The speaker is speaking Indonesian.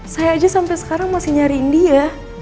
saya aja sampai sekarang masih nyariin dia